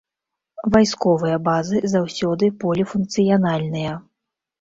Вайсковыя базы заўсёды поліфункцыянальныя.